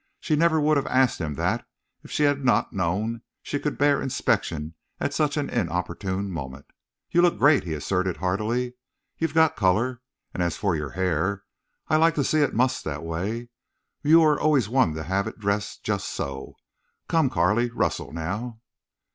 She never would have asked him that if she had not known she could bear inspection at such an inopportune moment. "You look great," he asserted, heartily. "You've got color. And as for your hair—I like to see it mussed that way. You were always one to have it dressed—just so.... Come, Carley, rustle now."